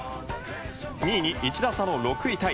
２位に１打差の６位タイ。